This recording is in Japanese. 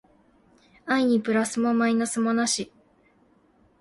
愛にプラスもマイナスもなし